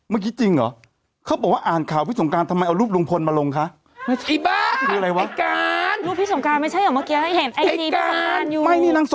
ไม่นี่นางส่งมาจริง